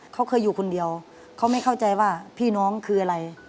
เขาเคยอยู่คนเดียวเขาไม่เข้าใจว่าพี่น้องคืออะไร